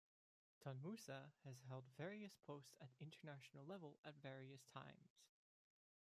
Tun Musa has held various posts at the international level at various times.